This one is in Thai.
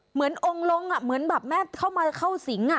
เหมือนองค์ลงเหมือนแบบแม่เข้ามาเข้าสิง